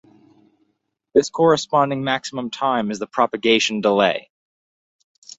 This corresponding maximum time is the propagation delay.